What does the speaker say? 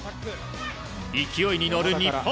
勢いに乗る日本。